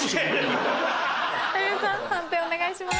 判定お願いします。